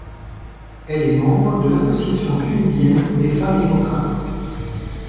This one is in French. Elle est membre de l'Association tunisienne des femmes démocrates.